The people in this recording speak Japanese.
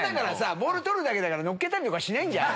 ボール捕るだけだから乗っけたりとかしないんじゃん？